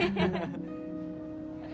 ini belum dihidupin